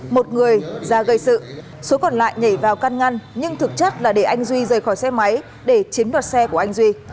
một người ra gây sự số còn lại nhảy vào căn ngăn nhưng thực chất là để anh duy rời khỏi xe máy để chiếm đoạt xe của anh duy